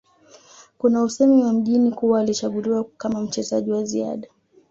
Kuna usemi wa mjini kuwa alichaguliwa kama mchezaji wa ziada